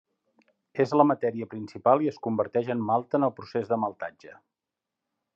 És la matèria principal i es converteix en malta en el procés de maltatge.